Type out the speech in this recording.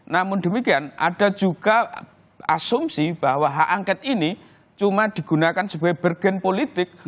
namun demikian ada juga asumsi bahwa hak angket ini cuma digunakan sebagai bergen politik